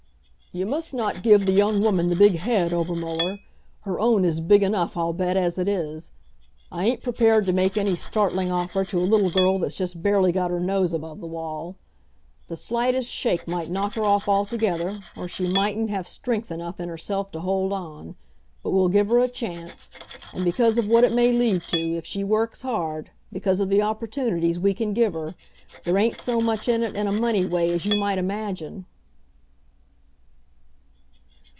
"You must not give the young woman the big head, Obermuller. Her own is big enough, I'll bet, as it is. I ain't prepared to make any startling offer to a little girl that's just barely got her nose above the wall. The slightest shake might knock her off altogether, or she mightn't have strength enough in herself to hold on. But we'll give her a chance. And because of what it may lead to, if she works hard, because of the opportunities we can give her, there ain't so much in it in a money way as you might imagine."